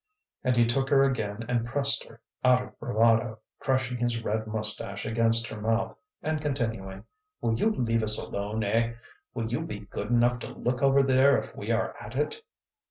And he took her again and pressed her, out of bravado, crushing his red moustache against her mouth, and continuing: "Will you leave us alone, eh? Will you be good enough to look over there if we are at it?"